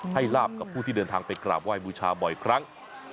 ลาบกับผู้ที่เดินทางไปกราบไห้บูชาบ่อยครั้ง